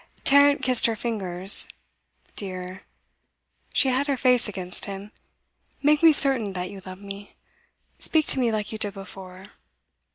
Tarrant kissed her fingers. 'Dear,' she had her face against him 'make me certain that you love me. Speak to me like you did before.